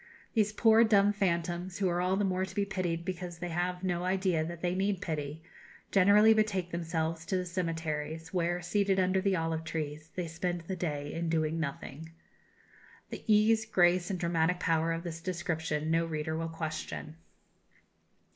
These poor dumb phantoms, who are all the more to be pitied because they have no idea that they need pity, generally betake themselves to the cemeteries, where, seated under the olive trees, they spend the day in doing nothing." The ease, grace, and dramatic power of this description no reader will question.